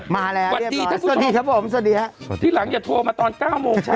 มาแล้วเรียบร้อยสวัสดีครับผมสวัสดีครับสวัสดีครับที่หลังอย่าโทรมาตอนเก้าโมงเช้า